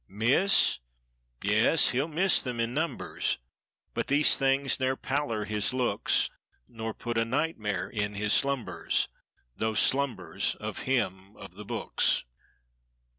Miss? Yes, he'll miss them in numbers. But these things ne'er pallor his looks. Nor put a nightmare in his slumbers— Those slumbers, of him, of the books.